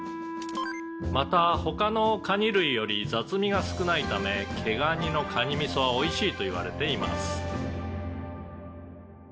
「また他のカニ類より雑味が少ないため毛ガニのカニミソはおいしいといわれています」